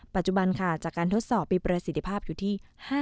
ปัจจุบันค่ะจากการทดสอบมีประสิทธิภาพอยู่ที่